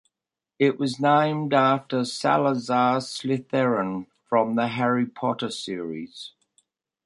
It was named after Salazar Slytherin from the "Harry Potter" series.